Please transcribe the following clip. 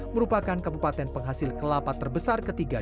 merupakan kabupaten penghasil kelapa terbesar ketiga di